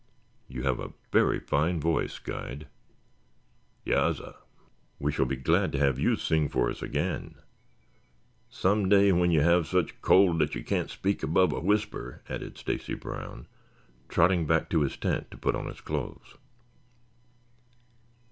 You have a very fine voice, guide." "Yassir." "We shall be glad to have you sing for us again." "Some day when you have such cold that you can't speak above a whisper," added Stacy Brown, trotting back to his tent to put on his clothes.